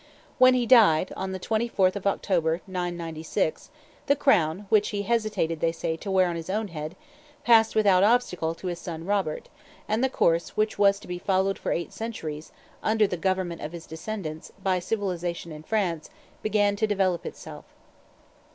When he died, on the 24th of October, 996, the crown, which he hesitated, they say, to wear on his own head, passed without obstacle to his son Robert, and the course which was to be followed for eight centuries, under the government of his descendants, by civilization in France, began to develop itself.